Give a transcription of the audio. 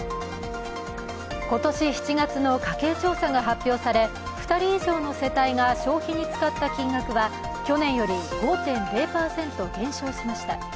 今年７月の家計調査が発表され２人以上の世帯が消費に使った金額は去年より５．０％減少しました。